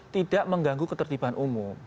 tidak mengganggu ketertiban umum